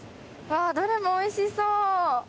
どれもおいしそう！